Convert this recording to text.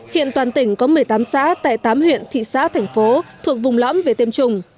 hiện toàn tỉnh có một mươi tám xã tại tám huyện thị xã thành phố thuộc vùng lõm về tiêm chủng